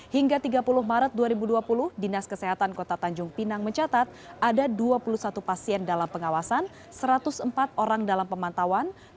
hingga tiga puluh maret dua ribu dua puluh dinas kesehatan kota tanjung pinang mencatat ada dua puluh satu pasien dalam pengawasan satu ratus empat orang dalam pemantauan